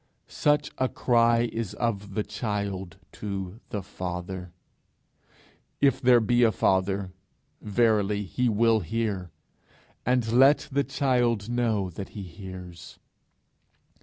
Such a cry is of the child to the Father: if there be a Father, verily he will hear, and let the child know that he hears!